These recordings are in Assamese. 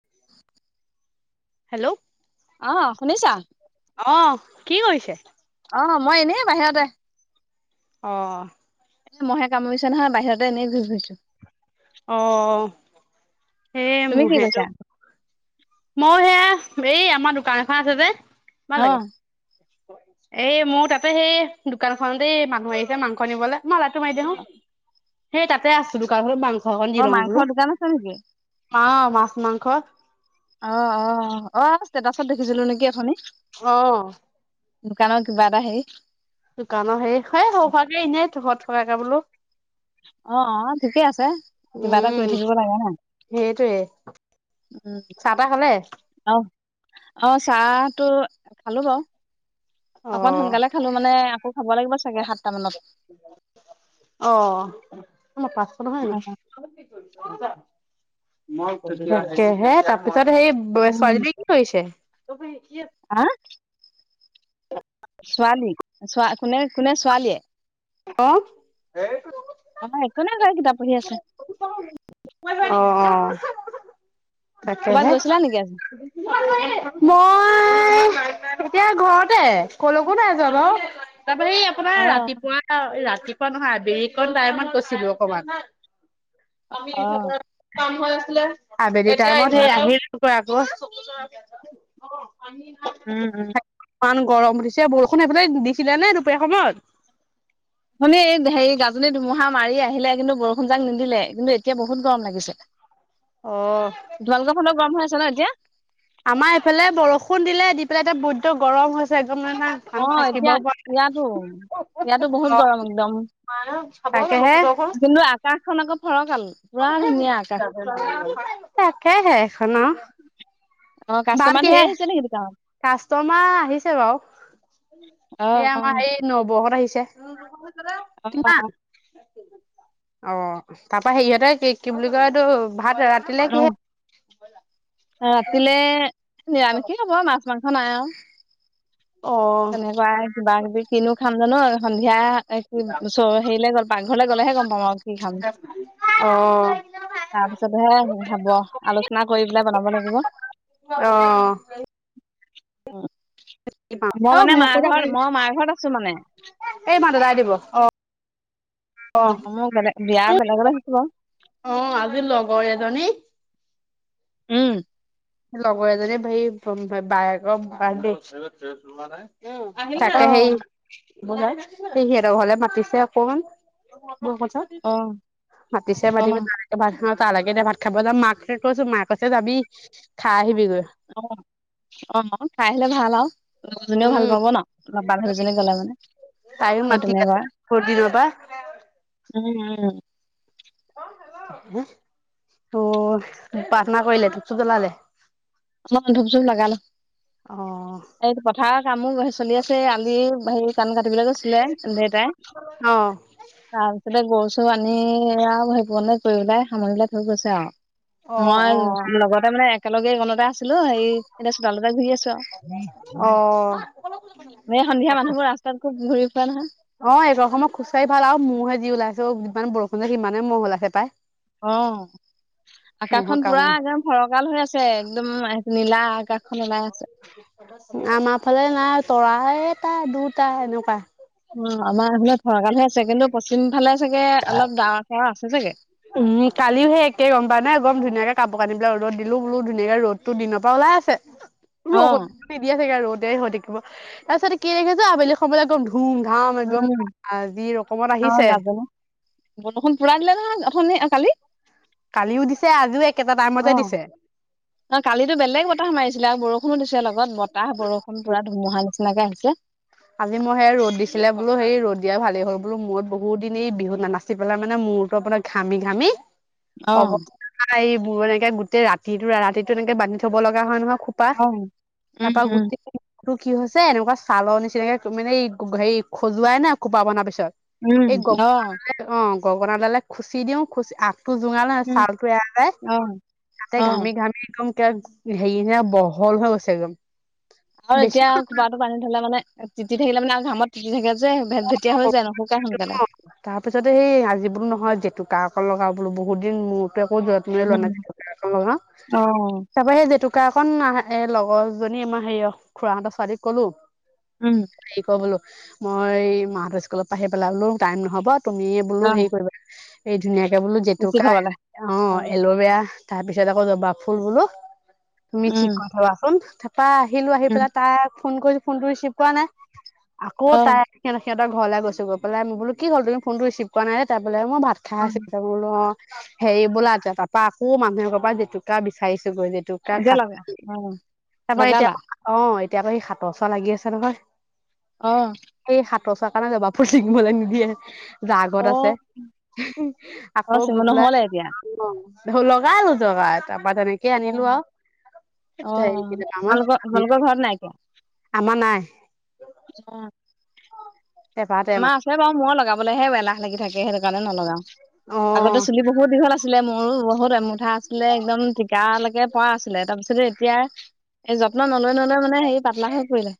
[inaudible] হেল্ল'! আহ শুনিছা? অ কি কৰিছে? অ মই এনেই বাহিৰতে। অঁ। এ মহে কামুৰিচে নহয় বাহিৰতে এনেই ঘূৰি ফুৰিছো? অ সেই তুমি কি মহেটো কৰিছা মইয়ো সেয়া এই আমাৰ দোকান এখন আছে যে কিমান অ লাগে? এ মোৰ তাতে সেই দোকানখনতেই মানুহ আহিছে মাংস নিবলে? মা লাইটটো মাৰি দিয়া হো সেই তাতে আছো দোকানখনত মাং অ মাংসৰ দোকান আছে নেকি? অ মাছ -মাংস। অ অ অ ষ্টেটাচত দেখিছিলোঁ নেকি অথনি। অ। দোকানৰ কিবা এটা হেৰিত দোকানৰ হেৰি হয় সৰু হোৱাকে এনেই থ থৈ আহগে বোলো। অ অ ঠিকে আছে কিবা এটা কৰি উম থাকিব লাগে ন সেইটোৱে। উম চাহ তাহ খালে? অ চাহটো খালো বাও। অ অকমান সোনকালে খালো মানে আকৌ খাব লাগিব চাগে সাত অ আমাৰ পাচশ নহয় নেকি? তাকেহে তাৰপিছত সেই ছোৱালীজনীয়ে কি কৰিছে? ত ভ [unintelligible] হা! ছোৱালী কোনে কোনে ছোৱালীয়ে? অ। অ একো নাই লৰা কিতাপ পঢ়ি আছে? অ ক'ৰবাত তাকেহে গৈছিলা নেকি আজি মই ই এতিয়া ঘৰতে কলকো নাই যোৱা বাৰু, তাৰপৰা এই আপোনাৰ অ ৰাতিপুৱা ৰাতিপুৱা নহয় আবেলি টাইমত গৈছিলো অকমান। অ অ অ [unintelligible] [unintelligible] উম উম। ইমান গৰম উঠিছে বৰষুণ সেফালে দিছিলে নে দুপৰীয়া সময়ত? শুনি এই হেৰি গাজনী ধুমুহা মাৰি আহিলে কিন্তু বৰষুণজাক নিদিলে কিন্তু এতিয়া বহুত গৰম লাগিছে? অ তোমালোকৰ ফালত গৰম হৈ আছে ন এতিয়া? আমাৰ এইফালে বৰষুণ দিলে দি পেলাই এতিয়া বৈদ্ধ গৰম হৈছে। একদম মানে অ থাকিব এতিয়া পৰা নাই ইয়াতো। ইয়াতো বহুত গৰম একদম, তাকেহে কিন্তু আকাশখন আকৌ ফৰক তাকেহে এখন ন। অ কাষ্টমাৰ ধেৰ আহিছে নেকি দোকানত? কাষ্টমাৰ আহিছে বাৰু, এই অ' আমাৰ এই নবৌ হত আহিছে। অ' অ' কিমান, অ তাৰপৰা সেৰিহঁতে কি কি বুলি কয় এইটো ভাত ৰাতিলে অ' অ' কিহে ৰাতিলে নিৰামিষে হব মাছ মাংস নাই আও। অ তেনেকুৱাই কিবা কিবি কিনো খাম জানো সন্ধিয়া। এ কি হেৰিলে গ'ল পাকঘৰলৈ গ'লেহে গম পাম আৰু কি খাম। অ তাৰপিছতহে হব আলোচনা কৰি পেলাই জনাব লাগিব। অ অ মই অ মানে মোকো মাৰ লগাই ঘৰত মই মাৰ ঘৰত আছো মানে। এই মাদু দাই দিব অ। অ মই বেলেগ বিয়া বেলেগলে হৈছিলোং। অ আজি লগৰ এজনী। উম। লগৰ এজনী মোক বায়েকৰ বাৰ্থডে - অ তাকে সেই বোলে সেই সিহঁতৰ ঘৰলে মাতিছে অকমান। অ অ [unintelligible] ত লাগে এতিয়া ভাত খাব যাম মাক কৈছো মাক কছে যাবি খাই আহিব- অ অ খাই আহিলে ভাল আও। লগৰজনীও ভাল উম পাব ন তোমাৰ [unintelligible] এজনী গলে মানে তাইও সেই মাতি তেনেকুৱা আছে বৰ দিনৰ পা উম উম ত প্ৰাৰ্থনা কৰিলে ধুপাচুপ জলালে। [unintelligible] ধুপ চুপ লগালো অ এই পথাৰৰ কামো চলি আছে আলি হেৰি ধান কাটি শবলে গৈছিলে দেউতাই অ তাৰপিছতে গৰু আনি আও ভাজিকনে কৰি পেলাই সামৰি পেলাই থৈ গৈছে আও অ মই অ লগতে মানে একেলগে গণতা আছিলো হেৰি এতিয়া চোতালত ঘূৰি আছো আও অ বে সন্ধিয়া মানুহবোৰ ৰাস্তাত খুব ঘূৰি ফুৰে নহয় অ একৰ সময় খোজকাঢ় ভাল আৰু মহে যি ওলাইছে যিমান বৰষুণ যে সিমানে ম' ওলাইছে পাই। অ মহৰ আকাশখন পুৰা কামোৰ একদম ফৰকাল হৈ আছে একদম। নীলা আকাশখন ওলাই আছে। আমাৰ ফালে নাই তৰা এটা দুটা এনেকুৱা। ছেকেণ্ড পশ্চিম ফালে চাগে অলপ ডাৱৰ চাৱাৰ আছে চাগে। উম! কালিও সেই একে গম পায় নে একদম ধুনীয়াকে কাপোৰ-কানিবিলাক ৰ'দত দিলো বোলো ধুনীয়াকে ৰ'দটো দিনৰ পৰা ওলাই আছে। অ, ৰ দিয়া চাগে ৰদে হৈ থাকিব তাৰপাছতে কি ৰাখিছ আবেলি সময়ত একদম ধু- উম অকমান অ আহিছে গাবনে বৰষুণ পুৰা দিলে নহয়। ধুনে আ কালি কালিও দিছে আজিও একেটা টাইমতে অ' দিছে। অ কালিতো বেলেগ বতাহ মাৰিছিলে আৰু বৰষুণো দিছে লগত বতাহ বৰষুণ পুৰা ধুমুহা দিছে। সেনেকা হৈছে। আজি মই সেই ৰ'দ দিছিলে বোলো সেই ৰ'দ দিয়া ভালেই হ'ল বোলো মোৰ বহু দিন বিহু নাচি পেলাই মানে ম- মূৰটো আপোনাৰ ঘামি ঘামি অ' অৱস্থা নাই এইবোৰ এনেকে গোটেই ৰাতিটো ৰাতিটো এনেকে বান্ধি থব লগা হয় নহয়। খোপা অ উম তাৰপা উম। গোটেই টো কি হৈছে এনেকুৱা ছালৰ নিচিনাকে মানে হেৰি খজুৱাই না খোপা বন্দাৰ পিছত উম! এই গ অ! অ গগনাডালে খুচি, দিওঁ খুচি আঠ টো জোঙাল ন উম, চালটো এৰা যাই, অ' তাতে অ, ঘামি ঘামি একদম। কেয়াক হেৰি নে বহল হৈ গৈছে একদম। আৰু বেছি এতিয়া খোপা টো বাদি থলে মানে তি থাকিলে মানে আৰু ঘাম তি থাকে। যে ভেট ভেটীয়া হৈ [unintelligible] যায় নুশুকাই সোনকালে। তাৰপিছতে সেই আজিবোৰ নহয় জেতুক কা ক লগা বোলো বহুত দিন মোৰ। উম, [unintelligible] তাৰাপৰা অ'। সেই জেতুকা। এখন ন এ লগৰজনী আমাৰ হেৰিয় খুৰাহঁতৰ ছোৱালীক ক'লো উম, হেৰি ক বোলো। মই এই মাহঁতৰ স্কুলত আহি পেলালো টাইম নহব তুমিয়েই বোলো হেৰি অ', কৰিবা এই ধুনীয়াকে বোলো বেছি জেতুকা থবলে [unintelligible] অ এল'ভেৰা তাৰ পিছত আকৌ জবা ফুল বোলো। তুমি ঠিক উম, কৈ থবাচোন তাৰপৰা আহিলো আহি উম, পেলাই তাই। [unintelligible] ফোন কৰিছো ফোনটো ৰিচিভ কৰা নাই আকৌ অ', তাই। [unintelligible] সিহঁতৰলৈলে গৈছ গ পাই ম বোল কি হ'ল তুমি ফোনটো ৰিছিভ কৰাই নাই যে মই ভাত খাইো অ', ত বোলো অ। হেৰি বোলা এতিয়া তাৰপৰা আকৌ মানুহ এঘৰৰ পৰা জেতুকা বিচাৰিছোঁ। সেইটো কয় এতিয়া যিটো লগা [unintelligible] অ', তাৰপৰা এতিয়া লগালা অঁ। এতিাৰ পৰাা স সাত চা লাগি আছে নহয়। অঁ! ৰচা কাৰনে জবা ফুল ছিগিবলে নিদিয়ে। যগত আছে অ', অ', আকৌ চিঙো গৈ পেলাই নহ'লে এতিয়া অ। [unintelligible] লগাইলো জগাই তাৰপা তেনেকে আনিলো অ', আৰু। অ', তোমালোকৰ [unintelligible] তোমালোকৰ ঘৰত আমাৰ নাই। অঁ! এপাহ টেমা আমাৰ আছে বাৰু মই লগাবলৈহে এলাহ লাগি থাকে, সেইটো কাৰণে নলগাও, অ আগতে চুলি বহুত দীঘল আছিলে। আছিলে মোৰো বহুত এমুঠা আছিলে একদম টিকালৈকে পৰা আছিলে তাৰপিছতে এতিয়া। এই যত্ন নলৈ নলৈ মানে হেৰি পাতলা হৈ পৰিলে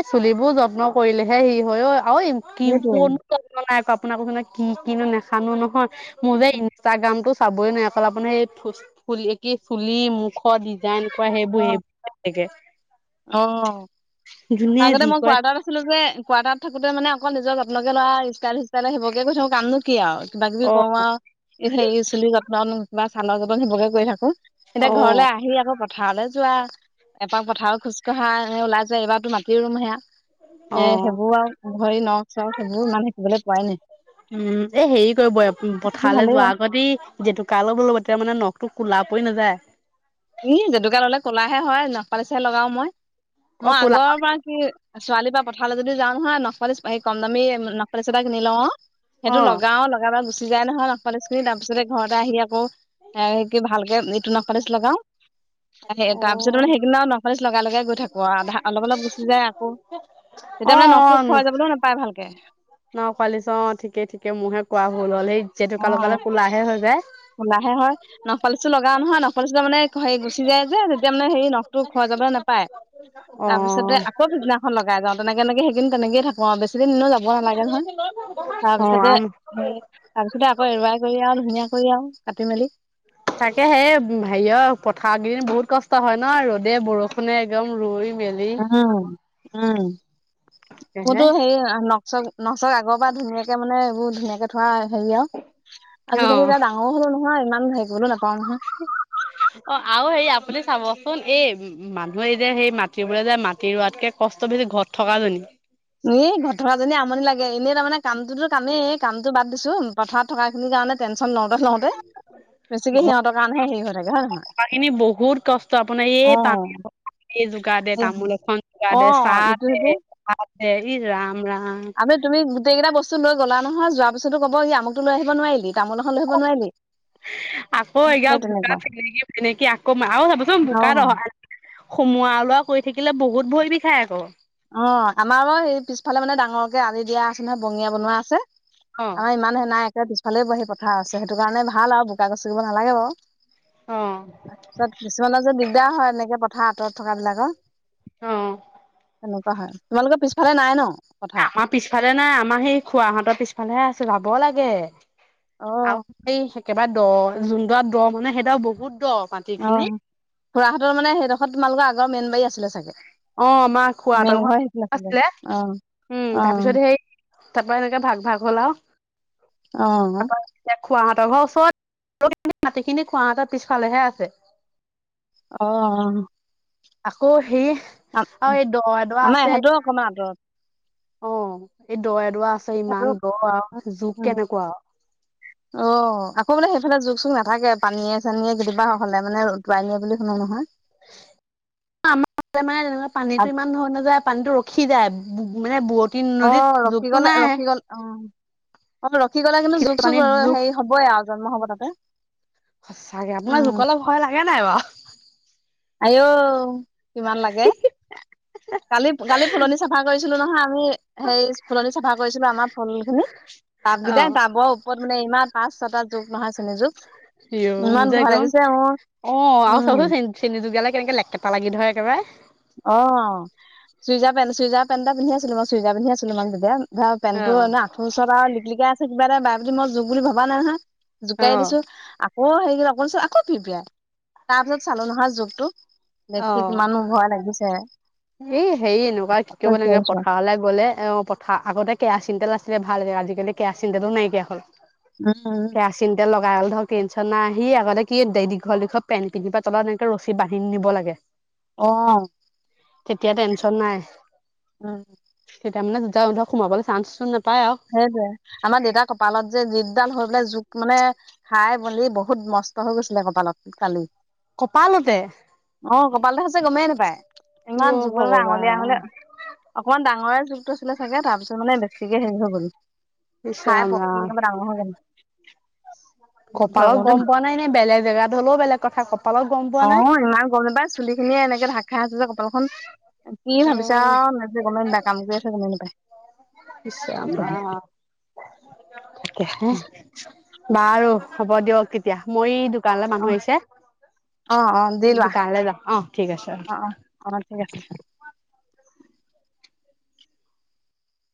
এই চুলিবোৰ যত্ন কৰিলেহে সি।। হয় অ কি সেইটোৱে কোনো নাই আপোনাক কচ কি কিনো নেখানো নহয় [unintelligible] মোৰ যে ইনষ্টাগ্ৰামটো চাবই নোৱাৰো অকল আপোনাৰ [unintelligible] চুলি, মুখত দি ডিজাইন সেই বোৰ। অ', থকে। অ, আগতে যি মই কৰে কোৱাৰ্টাৰত আছিলো যে কোৱাৰ্টাৰত থাকোতে মানে অকল নিজৰ যত্নকে লোৱা ষ্টাইল-সিষ্টাইল সেইবোৰকে কৰি থাকো কাম নো কি আৰু। কিবা কিবি অ কৰো আৰু হেৰি চুলি যতন বািবা ছালৰ যতন সেইবোৰকে কৰি থাকো। এতিয়া অ ঘৰলে আহি আকৌ পথাৰলৈ যোৱা এপাক পথাৰত। খোজকঢ়া এ ওলাই [unintelligible] এইবাৰতো মাটিও ৰুম হেয়া। অ এ, সেইবোৰ আৰু ভৰি, নখ-চখ সেইবোৰ মানে শিকিবলৈ পোৱাই নাই। উম এ হেৰি কৰিব তথাপি পথাৰলৈ ভালেই যোৱা আৰু আগতে জেতুকা লগ লব তেতিয়া মানে নখটো। কোলা পৰি নাযায়? ই জেতুকা ললে ক'লাহে হয় নপালিছেে লগাও মই। অ মই কোলা আগৰ পৰা কি ছোৱালী পা। পথাৰলৈ যদি যাওঁ নহয় নখপালিচ হায়ি কম দামী নখপালিচ এটা কিনি লওঁ অ অ সেইটো লগাও লগাই [unintelligible] চিজাই নহয় নাক পালিচ খিনি তাৰ পিছতে ঘৰতে আহি আকৌ এে কি ভালকে ইটো নখ পালিচ লগাও। অ তাৰ পিছত মানে সেইদিনা আৰু নখালী লগাই লগাই গৈ থাকোা অলপ অলপ গুচি যায় আকৌ। অ অ তেতিয়া মানে নখটো খোৱাই যাবলৈহে নাপায় ভালকে। ন কোৱালি চ অ ঠিকেই ঠিকে মোৰহে কোৱা ভুল হ'ল সেইেতুোকালৰ কালে কোলাহে হৈ যায়। কোলা হে হয় নখপালিচটো লগাও নহয় নখপালিচটো মানে হেৰি গুচি যায় যেতিয়া মানে হেৰি নখটো খোৱা যায় [unintelligible] নাপাই অ তাৰ পিছতে আকৌ সিছদিনাখন লগাই যাওঁ তেনেকে তেনেকে সেইিন তেনেকে থাকো। অ বেছিদিনো যাব নালাগে নহয়। অ', তাৰপিছতে আম হে তাৰ পিছতে আকৌ এৰুৱাই কৰি আৰু ধুনীয়া কৰি আৰু কাটি মেলি- তাকে সেই হেৰিয় পথাৰ কেইদিন বহুত কষ্ট হয় ন ৰ'দে বৰষুণে একদম ই উম! উম! হে মোৰতো হেৰি ন [unintelligible] চব ন চক আগৰ পৰা ধুনীয়াকে মানে এইবোৰ ধুনাকে থোৱা। হেৰিয়া অ আজিকালি এতিয়া ডাঙৰ হলো নহয় ইমান হেৰি গলো নাপয়। অ আৰুও সেই আপুনি চাবচোন এই মানুহে এ যে সেই মাটি ৰোৱে যে মাটি ৰোৱাতকে কষ্ট বেছি ঘৰত থকাজনী। এ ঘৰত থকাজনী আমনি লাগে। এনেই তাৰ মানে কামটো কামেই কামটো বাদ দিছো পথাৰত থকাখিনিৰ কাৰণে [unintelligible] [unintelligible] লওঁতে-লওঁতে বেছিকে ঘৰত সিহঁতৰ কাৰণহে হেৰি হৈ থাকে হয় নে নহয়। থকা খিনি বহুত কষ্ট আপোনাৰ অ এই পানী [unintelligible] [unintelligible] যোগাৰ দে তামোল এখন যোগাৰ অ দে চাহ ইটো দে সিটো ভাত দে ই ৰাম ৰাম আমি তুমি গোটেইটা বস্তু লৈ গলা নহয় যোৱা পছতো কবগ কি আমাকতো লৈ আহিব নোৱাৰিলি। তামোল এখন লৈ আহিব নোৱাৰিলি। আকৌ এাৰ সেই তেনেকুৱা বোকা থাকে নেকি ম নেকি আকৌ আৰু চাবচোন অ বোকাত অহা সোমোৱা ওলোৱা কৰি থাকিলে বহুত ভৰি বিষায় আকৌ। অ আমাৰ বাৰু সেই পিছফালে মানে ডাঙৰকে আলি দিয়া আছে নহয় বঙিয়া বনোৱা আছে। অ', আমাৰ ইমানহে নাই একে পিছফালে বহি পথা আছে সেইটো কাৰণে ভাল আৰু বোকা গছ কৰিব নালাগে বাৰু। অ', তাৰপিছত কিছুমানৰ যে দিগদাৰ হয় এনেকে পথাৰ আঁতৰত থকা বিলাকৰ। অ তেনেুৱা হয় তোমালোকৰ পিছফালে নাই ন পথাৰ আমাৰ পিছফালে নাই আমাৰ সেই খোৱাহঁতৰ পিছফালেহে আছে যাব লাগে। অ আৰু এই একেবাৰে দ যোনটো দ মানে সেইটো বহুত দ অ মাটিখিনি। খুৰাহাততৰ মানে সেইডোখৰ তোমালোকৰ আগৰ মেইনবাৰী আছিলে চাগে। অ মা খোৱ মেইন তৰ ঘৰ ঘৰত সেইখন আছিলে অ উম অ তাৰপিছত সেই তাৰ পৰা এনেকে ভাগ ভাগ হ'ল আৰু অ ত ঘৰ ওচৰত [unintelligible] মাটিখিনি খুৱাহঁতৰ পিছফালেহে আছে। অ-অ। আকৌ সেই আৰু এই দৱা-দৱা আমাৰ আছে। ইহঁতেও অকমান আঁতৰত অঁ এই দ এডৰা আছে উ ইমান দ আৰু জোক কেনেকুৱা আহ আকৌ মানে এইফালে জোখ চুখ নাথাকে পানীয়ে চানীয়ে কেতিয়াবা হ'লে মানে উটুৱাই নিয়ে বুলি শুনো নহয়। আমাৰ [unintelligible] তেনেকুৱা পানীটো ইমান বৈ নাযায় পানীটো ৰখি উতিযায় মানে বুৱতী অ নদীত ৰখি যোগতটো গ'লে নাই। ৰখি গ'ল অ অ ৰখি গ'ললে কিন্তু জুখ খিলা চুখ পানীত জোক হেৰি হ'বই আৰু জন্ম হ'ব তাতে- সঁচাকে আপোনাৰ উম জোকলে ভয় লাগে নাই বাৰু। আঔ কিমান লাগে? কালি কালি ফুলনি চাফা কৰিছিলো নহয়। আমি হে ফুলনি চাফা কৰিছিলো আমাৰ- ফুল খিনি অ টাবকেইটাই টাবৰ ওপৰত মানে ইমান পাঁচ ছটা জোক নহয় চেনী জোক। ইঅ মুজে একদম অ আৰু উম [unintelligible] কেনেকে লেকেটা লাগি ধৰে একেবাৰে। অঁ চুইজাৰ পেণ্ট চুইজাৰ পেণ্ট এটা পিন্ধি আছিলো মই চুইজাৰ পিন্ধি আছিলো মানে তেতিয়া। [unintelligible] অ পেণ্টটো এনেই আঠু ওচৰত আৰু লিটলিকা আছে কিবা এটা বাৰেপ্ৰতি মই জোঁক বুলি ভবা নাই নহয়। অ জোকাই দিছো- অ হেৰি [unintelligible] আকৌ ফিপিয়াই তাৰ পিছত চালো নহয় জুগটো। দেখি কিমাননো ভয় লাগিছে। এ হেৰি এনেকুৱা কি কৰিব উম, লাগে পথাৰলে গ'লে অ পথাৰ আগতে কে- কেৰাচিন তেল আছিলে ভাল আজিকালি কেৰাচিন তেলো নাইকিয়া হল। উম উম। গায়ল ধৰক টেনচন নাই আহি আগতে কি দীঘৰ দীঘৰ পেনট পিন্ধিব প তলত এনেকে ৰছী বান্ধি নিব লাগে। আহ! তেতিয়া টেনচন নাই। উম। তেতিয়া মানে [unintelligible] সোমাবলৈ চান্চ ন- সেইটোৱে আমাৰ দেউতাৰ কপালত যে জী ডাল হৈ পেলাই জোক মানে- খাই মেলি বহুত মষ্ট হৈ গৈছিলে কপালত কালি। কপালতে? অ, কপালতে হৈছে গমেই নেপায় ইমান অ জুকলে আঙল আহঙলে ভগৱান অকমান ডাঙৰ- ডাঙৰে জোঁকটো আছিলে চাগে তাৰপিছত মানে বেছিকে হেৰি হৈ গ'ল। ইচ খাই ৰাম পকি ৰাম একদম ডাঙৰ হৈ গ'ল। বহুত ভয় কপালত কৰো দেই গম পোৱা নাই নে বেলেগ জেগাত হ'লেও বেলেগ কথা কপালত গম পোৱা নাই। সেইখিনিয়ে এনেকে ঢা- ক খাই আছিলে কপালখন। কি অ ভাবিছা [unintelligible] কাম কৰি আছে, গমেই নাপায়। ইশ ৰাম - ৰাম। বাৰু, হ'ব দিয়ক তেতিয়া। মই এই দো কানলে অ, মানুহ আহিছে। অ, অ, দি লোৱা দোকানলে যাওঁ। অ' ঠিক আছে। অ, অ, অ, ঠিক আছে।